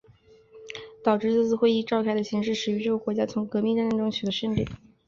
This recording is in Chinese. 导致这次会议召开的情势始于这个国家从革命战争中取得胜利。